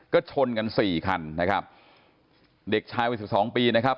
ก็ชนกันสี่คันนะครับเด็กชายวัยสิบสองปีนะครับ